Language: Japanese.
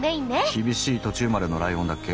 厳しい土地生まれのライオンだっけ？